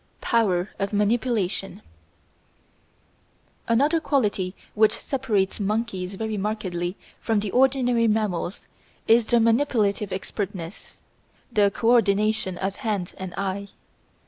Power of Manipulation Another quality which separates monkeys very markedly from ordinary mammals is their manipulative expertness, the co ordination of hand and eye.